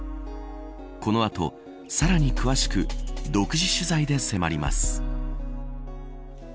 この後、さらに詳しく独自取材で迫ります。